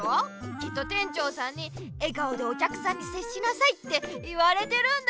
きっと店長さんに「笑顔でおきゃくさんにせっしなさい」って言われてるんだよ。